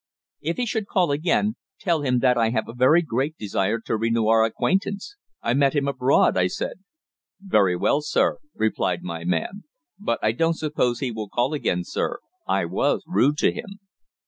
"If he should call again, tell him that I have a very great desire to renew our acquaintance. I met him abroad," I said. "Very well, sir," replied my man. "But I don't suppose he will call again, sir. I was rude to him."